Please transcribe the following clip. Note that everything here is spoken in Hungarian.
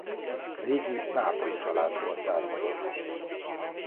Régi nápolyi családból származott.